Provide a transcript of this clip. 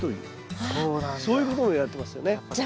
そういうこともいわれてますよね。